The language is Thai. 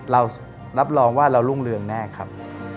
เรารับรองว่าเรารุ่งเรืองแน่ครับ